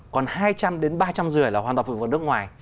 còn hai trăm linh đến ba trăm linh rưỡi là hoàn toàn phụ thuộc vào nước ngoài